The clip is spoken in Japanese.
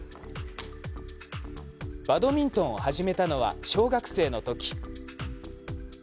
バドミントンを始めたのは小学生のとき。